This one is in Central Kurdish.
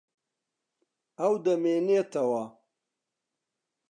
ئەو دەمێنێتەوە.